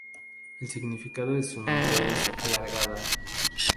El significado de su nombre es "alargada".